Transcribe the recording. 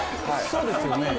そうですよね